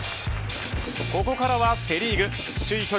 ここからはセ・リーグ。